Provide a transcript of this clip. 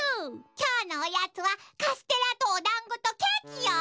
きょうのおやつはカステラとおだんごとケーキよ。